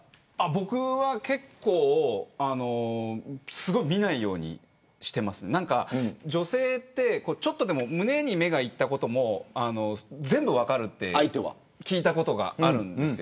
僕は結構すごい見ないようにしています女性はちょっとでも胸に目がいったことを全部分かるって聞いたことがあるんです。